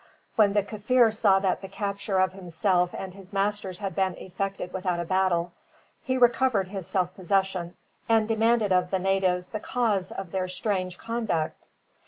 When the Kaffir saw that the capture of himself and his masters had been effected without a battle, he recovered his self possession, and demanded of the natives the cause of their strange conduct.